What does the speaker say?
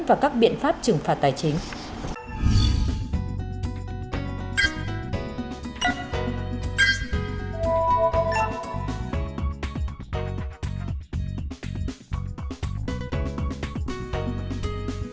và các biện pháp trừng phạt tài chính